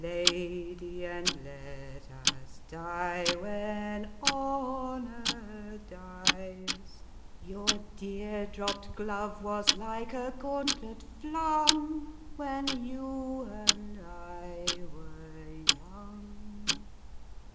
Lady, and let us die when honour dies, Your dear, dropped glove was like a gauntlet flung. When you and I were young.